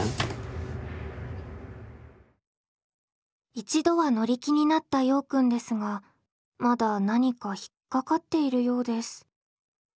一度は乗り気になったようくんですがまだ何か引っ掛かっているようです。